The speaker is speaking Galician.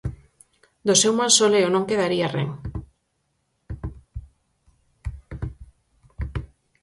Do seu mausoleo non quedaría ren.